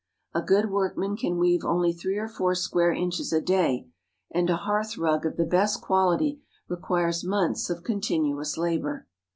A good workman can weave only three or four square inches a day, and a hearth rug of the best quality requires months of continuous labor.